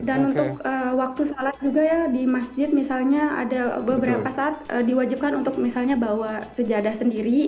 dan untuk waktu sholat juga ya di masjid misalnya ada beberapa saat diwajibkan untuk misalnya bawa sejadah sendiri